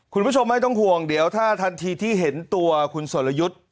คุณผู้ชมไม่ต้องห่วงเดี๋ยวถ้าทันทีที่เห็นตัวคุณสรยุทธ์